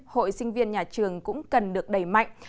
hội sinh viên nhà trường cũng cần được đẩy mạnh